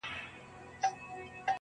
په زر چنده مرگ بهتره دی